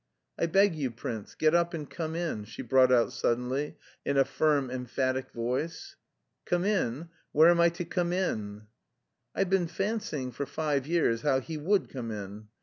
"I beg you, prince, get up and come in," she brought out suddenly, in a firm, emphatic voice. "Come in? Where am I to come in?" "I've been fancying for five years how he would come in.